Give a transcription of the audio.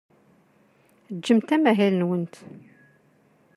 Gemt amahil-nwent.